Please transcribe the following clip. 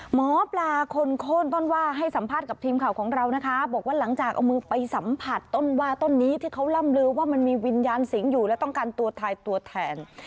หมอปลาคนโค้นต้นว่าให้สัมภาษณ์กับทีมข่าวของเรานะคะบอกว่าหลังจากเอามือไปสัมผัสต้นว่าต้นนี้ที่เขาล่ำลือว่ามันมีวิญญาณสิงห์อยู่และต้องการตัวทายตัวแทน